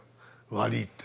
悪いって。